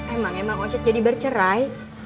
emang emang oncet jadi bercerai